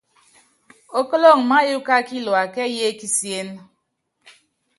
Okóloŋ máyɔɔ́k á kilua kɛ́ɛ́y é kisíén.